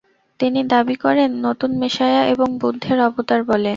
তিনি দাবি করেন নতুন মেসায়া এবং বুদ্ধের অবতার বলে।